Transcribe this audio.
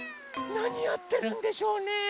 なにやってるんでしょうね？